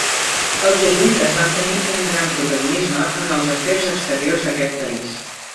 Els jesuïtes van tenir un gran protagonisme en els afers exteriors d'aquest país.